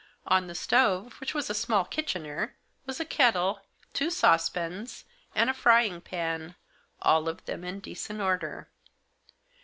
On the stove, which was a small kitchener, was a kettle, two saucepans, and a frying pan, all of them in decent order.